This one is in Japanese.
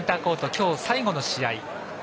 今日最後の試合。